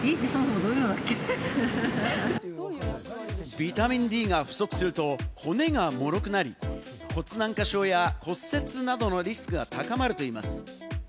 ビタミンＤが不足すると骨がもろくなり、骨軟化症や骨折などのリスクが高まるといいます。